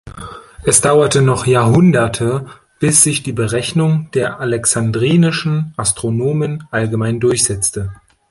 Es dauerte noch Jahrhunderte, bis sich die Berechnung der alexandrinischen Astronomen allgemein durchsetzte.